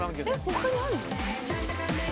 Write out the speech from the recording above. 他にあんの？